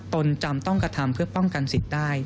ตนจำต้องกระทำเพื่อป้องกันสิทธิ์ได้